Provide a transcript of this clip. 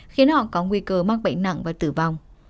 khiến họ có nguy cơ mắc bệnh nặng và tử vong